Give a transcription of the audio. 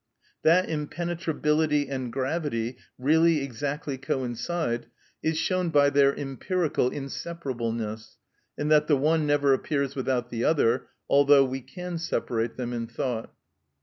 That impenetrability and gravity really exactly coincide is shown by their empirical inseparableness, in that the one never appears without the other, although we can separate them in thought.